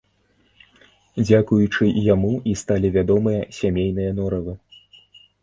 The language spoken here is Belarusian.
Дзякуючы яму і сталі вядомыя сямейныя норавы.